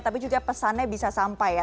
tapi juga pesannya bisa sampai ya